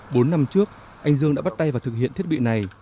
bốn năm trước anh dương đã bắt tay và thực hiện thiết bị này